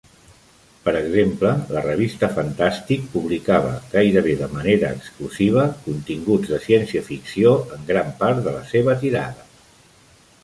Per exemple, la revista "Fantastic" publicava, gairebé de manera exclusiva, continguts de ciència-ficció en gran part de la seva tirada.